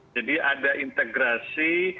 jadi ada integrasi